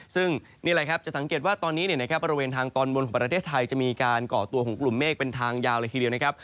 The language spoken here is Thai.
ซึ่งนี่แหละครับจะสังเกตว่าตอนนี้บริเวณทางตอนบนของประเทศไทยจะมีการก่อตัวของกลุ่มเมฆเป็นทางยาวเลยทีเดียวนะครับ